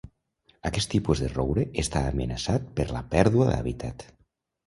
Aquest tipus de roure està amenaçat per la pèrdua d'hàbitat.